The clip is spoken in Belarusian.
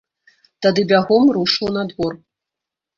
Тады бягом рушыў на двор.